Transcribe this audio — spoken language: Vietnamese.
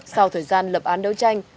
sau thời gian lập án đấu tranh